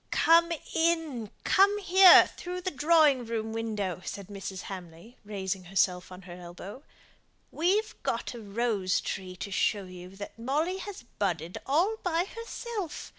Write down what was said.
"Come in come here through the drawing room window," said Mrs. Hamley, raising herself on her elbow. "We've got a rose tree to show you that Molly has budded all by herself.